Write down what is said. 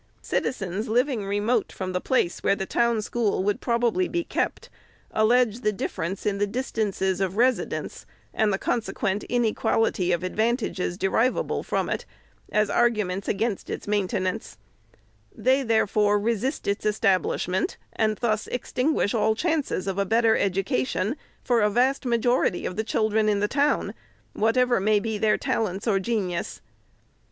Citizens, living re mote from the place where the town school would proba bly be kept, allege the difference in the distances of resi dence, and the consequent inequality of advantages de rivable from it, as arguments against its maintenance. 416 THE SECRETARY'S They, therefore, resist its establishment, and thus extin guish all chances of a better education for a vast major ity of the children in the town, whatever may be their talents or genius.